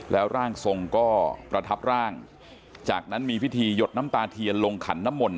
แล้วร่างทรงก็ประทับร่างจากนั้นมีพิธีหยดน้ำตาเทียนลงขันน้ำมนต